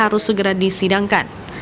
harus segera disidangkan